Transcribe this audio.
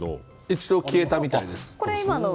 一度消えたみたいです。